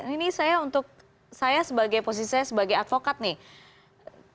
ini saya untuk saya sebagai posisi saya sebagai advokat nih